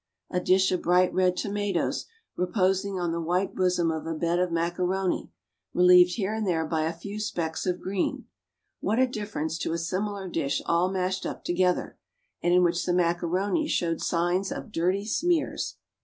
A dish of bright red tomatoes, reposing on the white bosom of a bed of macaroni, relieved here and there by a few specks of green what a difference to a similar dish all mashed up together, and in which the macaroni showed signs of dirty smears!